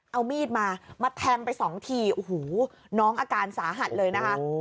เอามีดมามาแทงไปสองทีโอ้โหน้องอาการสาหัสเลยนะคะ